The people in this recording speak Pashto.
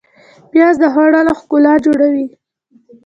پیاز د خوړو ښکلا جوړوي